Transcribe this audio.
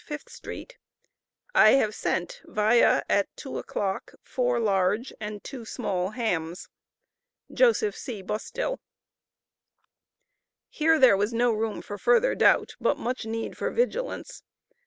5th St.: I have sent via at two o'clock four large and two small hams. JOS. C. BUSTILL. Here there was no room for further doubt, but much need for vigilance.